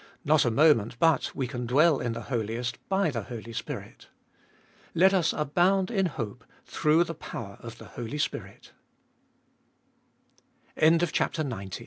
Not a moment but we can dwell in the Holiest, by the Holy Spirit. Let us abouna in hope, through the power of the Hol